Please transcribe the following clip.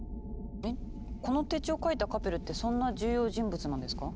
この手帳を書いたカペルってそんな重要人物なんですか？